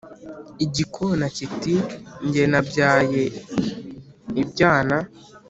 igikona kiti: “nge nabyaye ibyana